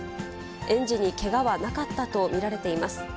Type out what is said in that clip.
園児にけがはなかったと見られています。